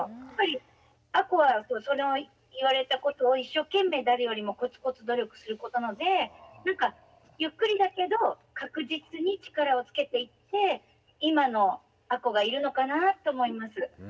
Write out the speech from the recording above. やっぱり亜子は言われたことを一生懸命誰よりもコツコツ努力する子なのでゆっくりだけど確実に力をつけていって今の亜子がいるのかなと思います。